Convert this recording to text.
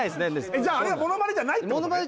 あれはモノマネじゃないってことね？